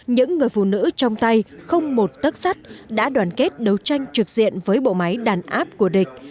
những người phụ nữ trong tay không một tất sắt đã đoàn kết đấu tranh trực diện với bộ máy đàn áp của địch